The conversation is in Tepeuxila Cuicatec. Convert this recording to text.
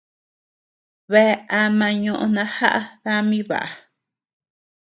Bea ama ñoʼo najaʼa dami baʼa.